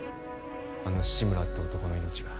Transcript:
あの志村って男の命が